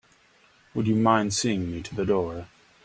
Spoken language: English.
Would you mind seeing me to the door?